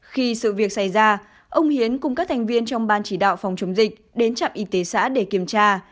khi sự việc xảy ra ông hiến cùng các thành viên trong ban chỉ đạo phòng chống dịch đến trạm y tế xã để kiểm tra